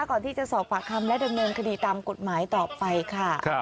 ก่อนที่จะสอบปากคำและดำเนินคดีตามกฎหมายต่อไปค่ะ